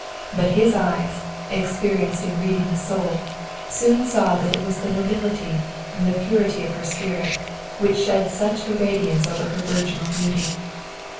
But his eyes, experienced in reading the soul, soon saw that it was the nobility, the purity of her spirit, which shed such a radiance over her virginal beauty.